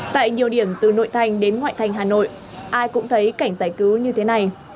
tại nhiều điểm từ nội thành đến ngoại thành hà nội ai cũng thấy cảnh giải cứu như thế này